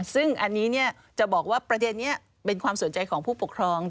ซึ่งอันนี้จะบอกว่าประเด็นนี้เป็นความสนใจของผู้ปกครอง